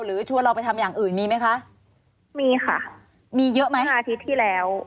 ชวนเราไปทำอย่างอื่นมีไหมคะมีค่ะมีเยอะไหมคะอาทิตย์ที่แล้ว